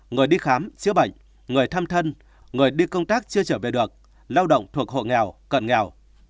người đi khám chữa bệnh người thăm thân người đi công tác chưa trở về được lao động thuộc hộ nghèo cận nghèo